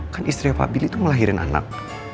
kan istri pak billy tuh ngelahirin anak